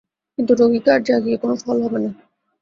কিন্তু রোগীকে আর জাগিয়ে কোনো ফল হবে না।